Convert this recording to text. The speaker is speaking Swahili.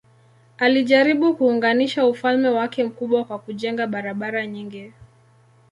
Alijaribu kuunganisha ufalme wake mkubwa kwa kujenga barabara nyingi.